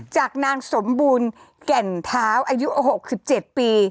จากนางสมบูรณ์แก่นเท้าอายุ๖๗ปี